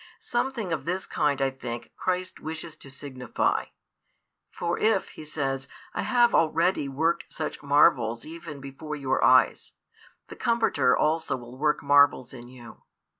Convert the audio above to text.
Something of this kind, I think, Christ wishes to signify. For if, He says, I have already worked such marvels even before your eyes, the Comforter also will work marvels in you.